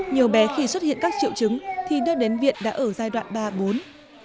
nhiều bé khi xuất hiện các triệu chứng thì đưa đến viện đã ở giai đoạn ba bốn